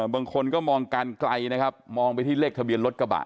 บางคนก็มองกันไกลนะครับมองไปที่เลขทะเบียนรถกระบะ